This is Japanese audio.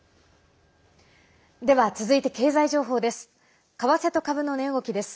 では、続いて経済情報です。